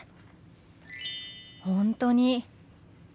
本当に！